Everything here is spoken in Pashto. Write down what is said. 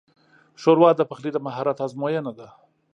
ښوروا د پخلي د مهارت ازموینه ده.